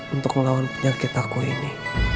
untuk melawan penyakit aku ini